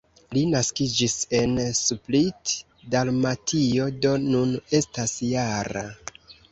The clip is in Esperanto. Li naskiĝis en Split, Dalmatio, do nun estas -jara.